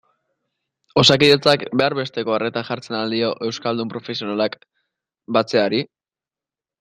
Osakidetzak behar besteko arreta jartzen al dio euskaldun profesionalak batzeari?